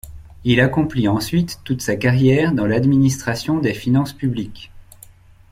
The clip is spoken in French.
Il accomplit ensuite toute sa carrière dans l'administration des finances publiques.